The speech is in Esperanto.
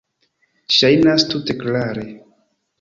Ŝajnas tute klare.